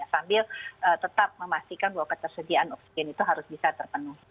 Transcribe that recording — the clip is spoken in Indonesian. sambil tetap memastikan bahwa ketersediaan itu harus bisa terpenuh